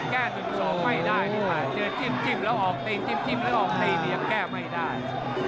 เจอจิบแล้วออกตีจิบแล้วออกตีแล้วยังแก้ไม่ได้